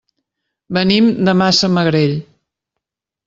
Venim de Massamagrell.